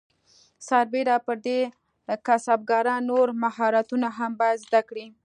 سربیره پر دې کسبګران نور مهارتونه هم باید زده کړي.